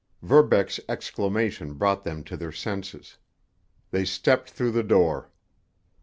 Verbeck's exclamation brought them to their senses. They stepped through the door.